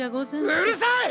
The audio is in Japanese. うるさい！